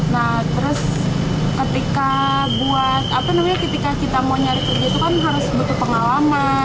nah terus ketika buat apa namanya ketika kita mau nyari kerja itu kan harus butuh pengalaman